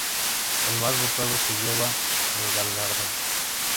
El más votado se lleva el galardón.